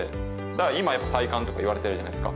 今やっぱ体幹とかいわれてるじゃないですか。